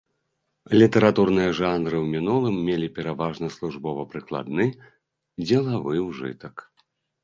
Літаратурныя жанры ў мінулым мелі пераважна службова-прыкладны, дзелавы ўжытак.